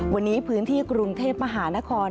วันนี้พื้นที่กรุงเทพมหานคร